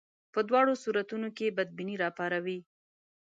په دواړو صورتونو کې بدبیني راپاروي.